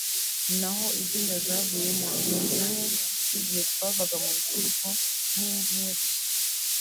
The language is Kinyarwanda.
naho iby’inda zavuyemo njye nzi imwe y’igihe twavaga ku rukiko n’indi imwe gusa